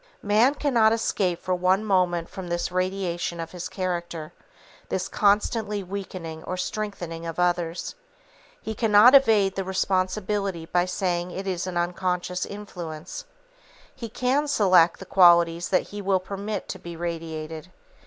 Man cannot escape for one moment from this radiation of his character, this constantly weakening or strengthening of others. He cannot evade the responsibility by saying it is an unconscious influence. He can select the qualities that he will permit to be radiated.